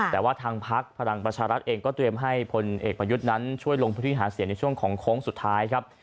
แต่ว่าทางพักพลังประชารัฐเองก็เตรียมให้พลเอกประยุทธ์นั้นช่วยลงพื้นที่หาเสียงในช่วงของโค้งสุดท้ายครับ